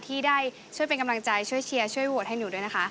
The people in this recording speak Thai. ที่ได้ช่วยเป็นกำลังใจช่วยเชียร์ช่วยโหวตให้หนูด้วยนะคะ